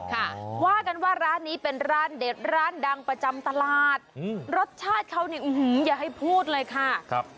ค่ะว่ากันว่าร้านนี้เป็นร้านเด็ดร้านดังประจำตลาดอืมรสชาติเขานี่อื้อหืออย่าให้พูดเลยค่ะครับ